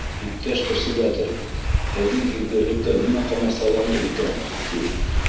Иптәш председатель, һеҙҙең һиҙгерлеккә нимә ҡамасауланы икән, ти.